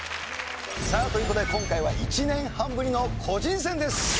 さあという事で今回は１年半ぶりの個人戦です。